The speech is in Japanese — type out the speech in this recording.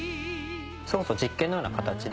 それこそ実験のような形で。